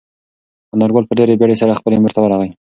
انارګل په ډېرې بیړې سره خپلې مور ته ورغی.